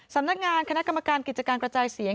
สำนักงานคณะกรรมการกิจการกระจายเสียง